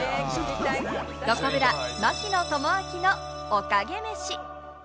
どこブラ、槙野智章のおかげ飯。